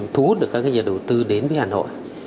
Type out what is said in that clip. thu hút được các nhà đầu tư đến với hà nội